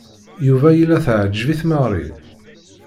Yuba yella teɛǧeb-it Mary.